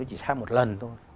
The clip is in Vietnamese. chỉ xa một lần thôi